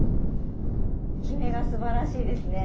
極めがすばらしいですね。